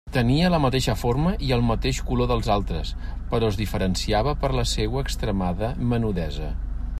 Tenia la mateixa forma i el mateix color dels altres, però es diferenciava per la seua extremada menudesa.